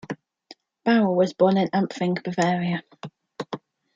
Baur was born in Ampfing, Bavaria.